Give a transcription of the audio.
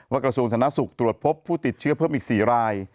วันกระทรวงศาลนักศึกษ์ตรวจพบผู้ติดเชื้อเพิ่มอีก๔ราย